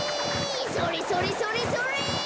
それそれそれそれ！